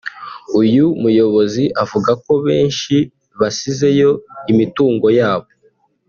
uyu muyobozi avuga ko benshi basizeyo imitungo yabo